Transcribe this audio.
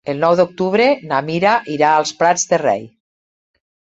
El nou d'octubre na Mira irà als Prats de Rei.